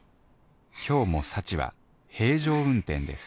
今日も幸は平常運転です